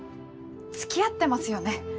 つきあってますよね？